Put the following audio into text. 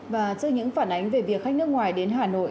và trước những phản ánh về việc khách nước ngoài đến hà nội